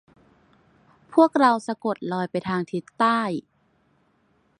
พวกเราสะกดรอยไปทางทิศใต้